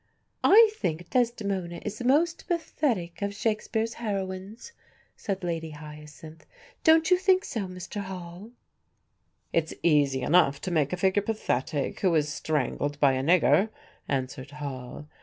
"I think Desdemona is the most pathetic of Shakespeare's heroines," said Lady Hyacinth; "don't you think so, Mr. Hall?" "It's easy enough to make a figure pathetic, who is strangled by a nigger," answered Hall.